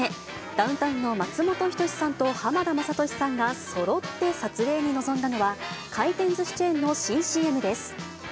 ダウンタウンの松本人志さんと浜田雅功さんがそろって撮影に臨んだのは、回転ずしチェーンの新ＣＭです。